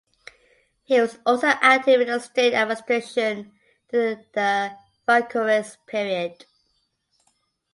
He was also active in the state administration during the Francoist period.